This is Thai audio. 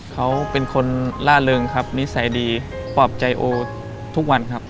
เขาเป็นคนล่าเริงครับนิสัยดีปลอบใจโอทุกวันครับ